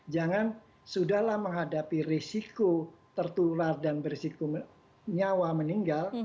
jangan sudah lah menghadapi risiko tertular dan berisiko nyawa meninggal